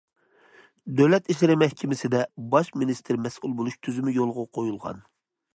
دۆلەت ئىشلىرى مەھكىمىسىدە باش مىنىستىر مەسئۇل بولۇش تۈزۈمى يولغا قويۇلغان.